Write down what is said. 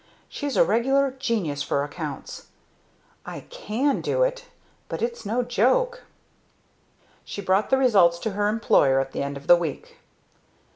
"She's a regular genius for accounts. I can do it but it's no joke." She brought the results to her employer at the end of the week.